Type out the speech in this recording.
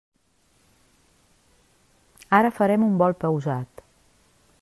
Ara farem un vol pausat.